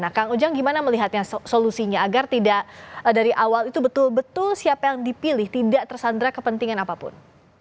nah kang ujang gimana melihatnya solusinya agar tidak dari awal itu betul betul siapa yang dipilih tidak tersandra kepentingan apapun